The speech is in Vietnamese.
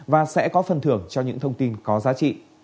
và sẽ có phần thưởng cho những thông tin có giá trị